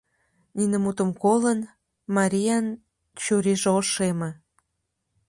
Нине мутым колын, Мариян чурийже ошеме.